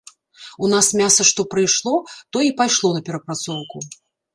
У нас мяса што прыйшло, то і пайшло на перапрацоўку.